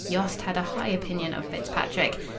'" Yost had a high opinion of Fitzpatrick.